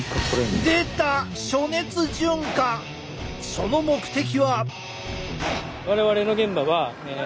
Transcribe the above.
その目的は？